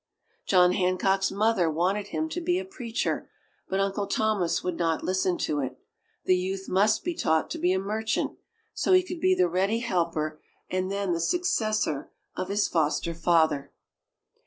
John Hancock's mother wanted him to be a preacher, but Uncle Thomas would not listen to it the youth must be taught to be a merchant, so he could be the ready helper and then the successor of his foster father.